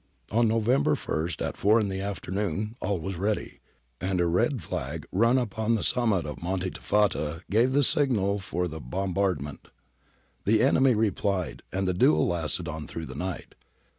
On November i, at four in the afternoon, all was ready, and a red flag run up on the summit of Monte Tifata gave the signal for the bom bardment. The enemy replied and the duel lasted on through the night.